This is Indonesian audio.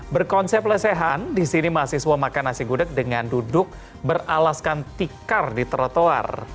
berkonsep lesehan di sini mahasiswa makan nasi gudeg dengan duduk beralaskan tikar di trotoar